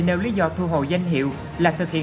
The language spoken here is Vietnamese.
nêu lý do thu hồi danh hiệu là thực hiện